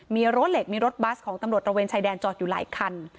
มีรั้วเหล็กมีรถบัสของตำรวจตระเวนชายแดนจอดอยู่หลายคัน